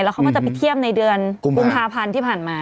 เขาก็จะไปเทียบในเดือนกุมภาพันธ์ที่ผ่านมา